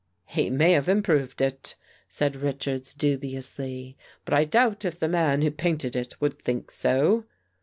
" He may have improved it," said Richards dubi ously, " but I doubt if the man who painted it would think so."